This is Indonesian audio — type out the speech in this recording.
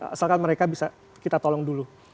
asalkan mereka bisa kita tolong dulu